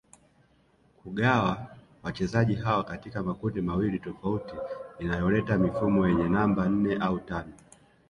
kuwagawa wachezaji hawa katika makundi mawili tofauti inayoleta mifumo yenye namba nne au tano